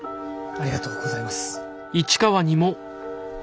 ありがとうございます！